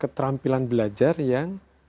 keterampilan belajar yang